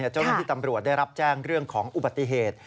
เจ้าหน้าที่ตำรวจได้รับแจ้งเรื่องของอุบัติเหตุ